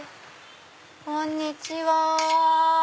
こんにちは！